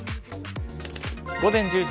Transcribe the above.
午前１０時。